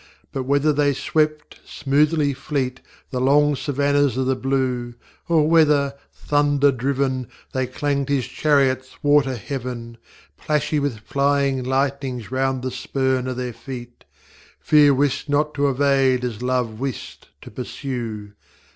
But whether they swept, smoothly fleet, The long savannahs of the blue; Or whether, Thunder driven, They clanged his chariot ŌĆÖthwart a heaven, Plashy with flying lightnings round the spurn oŌĆÖ their feet:ŌĆö Fear wist not to evade as Love wist to pursue.